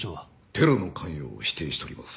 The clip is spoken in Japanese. テロの関与を否定しております。